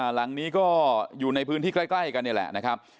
หลังนี้ก็อยู่ในพื้นที่ใกล้กันนี่แหละนะครับ